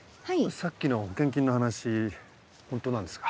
さっきの保険金の話ホントなんですか？